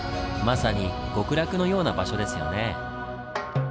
まさに極楽のような場所ですよねぇ。